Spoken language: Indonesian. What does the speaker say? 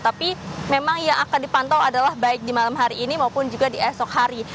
tapi memang yang akan dipantau adalah baik di malam hari ini maupun juga di esok hari